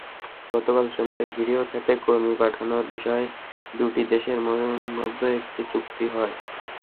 গতকাল সন্ধ্যায় গৃহ খাতে কর্মী পাঠানোর বিষয়ে দুই দেশের মধ্যে একটি চুক্তি হয়।